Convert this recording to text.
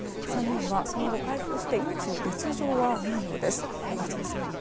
３人はその後、回復して命に別条はないようです。